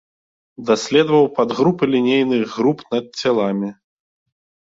Даследаваў падгрупы лінейных груп над целамі.